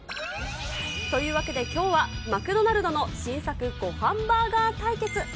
というわけで、きょうはマクドナルドの新作ごはんバーガー対決。